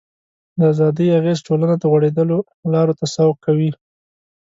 د ازادۍ اغېز ټولنه د غوړېدلو لارو ته سوق کوي.